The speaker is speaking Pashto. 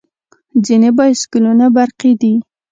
ځینې بایسکلونه برقي دي.